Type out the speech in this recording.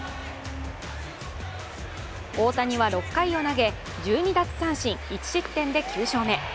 大谷は６回を投げ、１２奪三振１失点で９勝目。